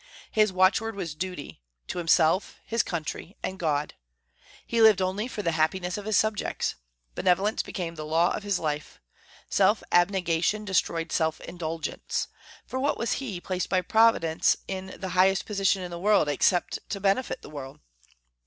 His watchword was duty, to himself, his country, and God. He lived only for the happiness of his subjects. Benevolence became the law of his life. Self abnegation destroyed self indulgence. For what was he placed by Providence in the highest position in the world, except to benefit the world?